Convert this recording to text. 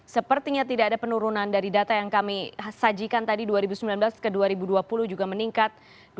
sepertinya tidak ada penurunan dari data yang kami sajikan tadi dua ribu sembilan belas ke dua ribu dua puluh juga meningkat